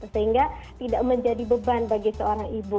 sehingga tidak menjadi beban bagi seorang ibu